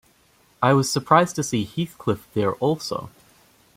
I was surprised to see Heathcliff there also.